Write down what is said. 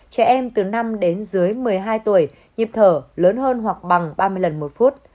trẻ em từ năm đến dưới một mươi hai tuổi nhịp thở lớn hơn hoặc bằng ba mươi lần một phút